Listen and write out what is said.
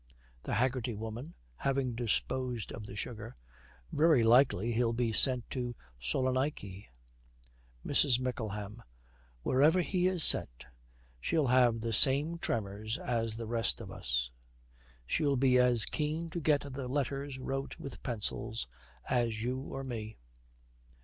THE HAGGERTY WOMAN, having disposed of the sugar, 'Very likely he'll be sent to Salonaiky.' MRS. MICKLEHAM. 'Wherever he is sent, she'll have the same tremors as the rest of us. She'll be as keen to get the letters wrote with pencils as you or me.'